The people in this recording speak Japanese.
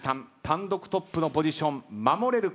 単独トップのポジション守れるか。